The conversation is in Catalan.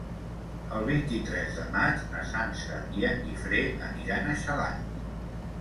El vint-i-tres de maig na Sança i en Guifré aniran a Xalans.